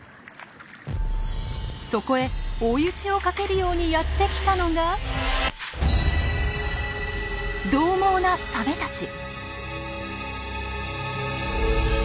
そこへ追い討ちをかけるようにやってきたのがどう猛なサメたち。